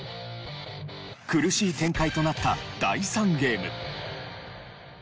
苦しい展開となった第３ゲーム。